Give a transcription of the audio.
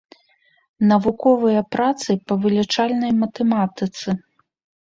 Навуковыя працы па вылічальнай матэматыцы.